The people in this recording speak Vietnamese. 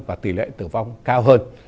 và tỷ lệ tử vong cao hơn